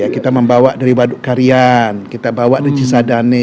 kita membawa dari waduk karian kita bawa dari cisadane